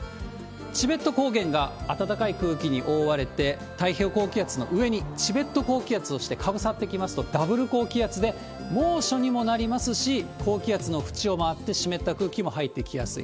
チベット高原が暖かい空気に覆われて、太平洋高気圧の上に、チベット高気圧としてかぶさってきますと、ダブル高気圧で、猛暑にもなりますし、高気圧の縁を回って湿った空気も入ってきやすい。